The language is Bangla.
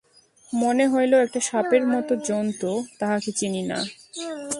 মনে হইল একটা সাপের মতো জন্তু, তাহাকে চিনি না।